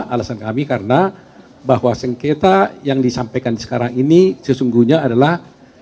alasan kami karena bahwa sengketa yang disampaikan sekarang ini sesungguhnya adalah